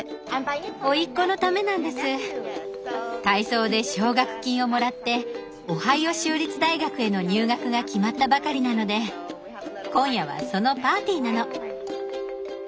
体操で奨学金をもらってオハイオ州立大学への入学が決まったばかりなので今夜はそのパーティーなの。